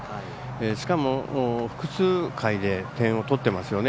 しかも、複数回で点を取っていますよね。